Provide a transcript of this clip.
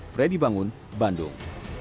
freddy bangun bandung